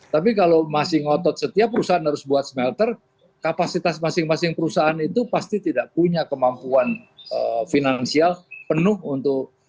tapi kalau masih ngotot setiap perusahaan harus buat smelter kapasitas masing masing perusahaan itu pasti tidak punya kemampuan finansial penuh untuk